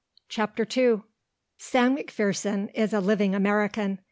CHAPTER II Sam McPherson is a living American.